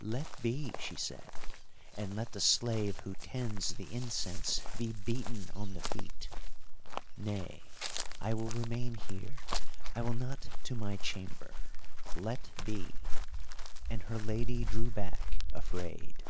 "Let be!" she said, "and let the slave who tends the incense be beaten on the feet. Nay, I will remain here, I will not to my chamber. Let be!" and her lady drew back afraid.